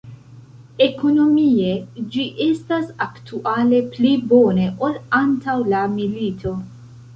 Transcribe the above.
Ekonomie, ĝi estas aktuale pli bone ol antaŭ la milito.